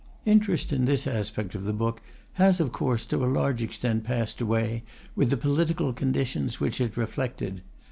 Interest in this aspect of the book has, of course, to a large extent passed away with the political conditions which it reflected.